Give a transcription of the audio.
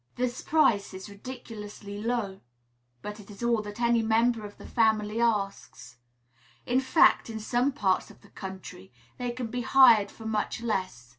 This price is ridiculously low, but it is all that any member of the family asks; in fact, in some parts of the country, they can be hired for much less.